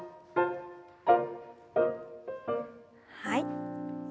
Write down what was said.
はい。